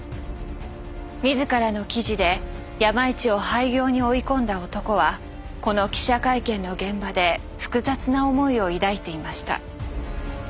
自らの記事で山一を廃業に追い込んだ男はこの記者会見の現場で複雑な思いを抱いていました。